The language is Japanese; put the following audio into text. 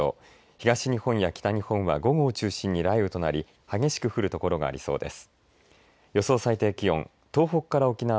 東日本や北日本は午後を中心に雷雨となり激しく降るところがありそうです。